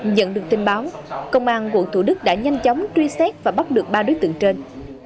nhận được tin báo công an quận thủ đức đã nhanh chóng truy xét và bắt được ba đối tượng trên